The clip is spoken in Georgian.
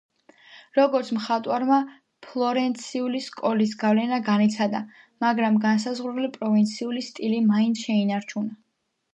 როგორც მხატვარმა ფლორენციული სკოლის გავლენა განიცადა, მაგრამ განსაზღვრული პროვინციული სტილი მაინც შეინარჩუნა.